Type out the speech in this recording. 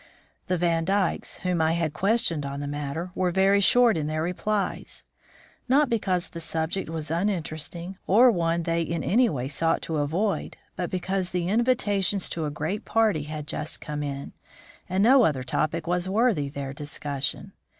The Vandykes, whom I had questioned on the matter, were very short in their replies. Not because the subject was uninteresting, or one they in any way sought to avoid, but because the invitations to a great party had just come in, and no other topic was worthy their discussion.